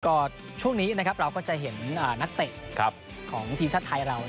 ก็ช่วงนี้นะครับเราก็จะเห็นนักเตะของทีมชาติไทยเรา